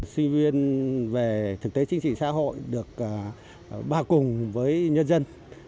sinh viên về thực tế chính trị xã hội được ba cùng với nhân dân